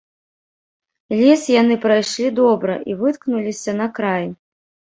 Лес яны прайшлі добра і выткнуліся на край.